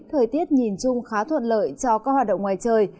thời tiết nhìn chung khá thuận lợi cho các hoạt động ngoài trời